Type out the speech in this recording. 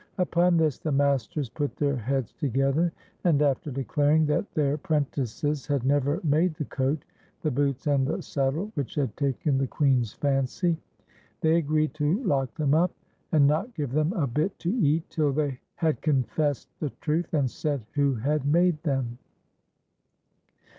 Upon this the masters put their heads together, and after declaring that their pren tices had never made the coat, the boots, and the saddle which had taken the Queen's fancy, they agreed to lock them up, and not give them a bit to eat till they had confessed the truth, and said who had made them.